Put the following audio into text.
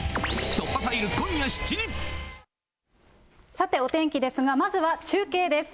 さて、お天気ですが、まずは中継です。